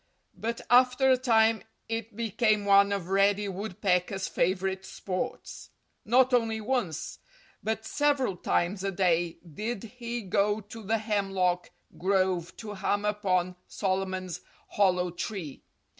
But after a time it became one of Reddy Woodpecker's favorite sports. Not only once, but several times a day did he go to the hemlock grove to hammer upon Solomon's hollow tree.